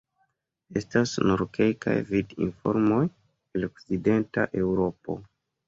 Estas nur kelkaj vid-informoj el Okcidenta Eŭropo.